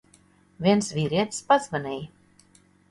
Viens vīrietis pazvanīja.